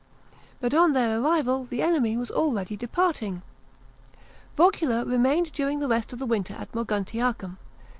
But on their arrival the enemy was already departing. Vocula remained during the rest of the winter at Moguntiacum.